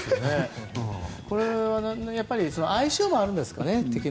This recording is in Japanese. これは相性もあるんですかね。